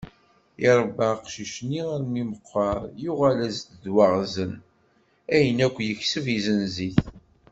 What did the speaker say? Iṛebba aqcic-nni armi meqqer, yuγal-as d waγzen ayen akk yekseb, yesenz-it.